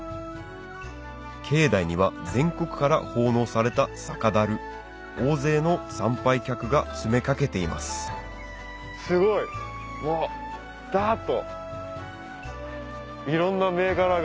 境内には全国から奉納された酒樽大勢の参拝客が詰め掛けていますすごいダっと。